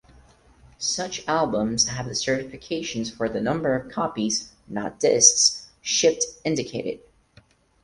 Such albums have the certifications for the number of copies (not discs) shipped indicated.